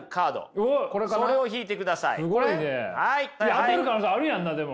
当たる可能性あるやんなでも。